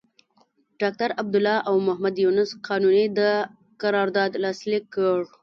ډاکټر عبدالله او محمد یونس قانوني دا قرارداد لاسليک کړ.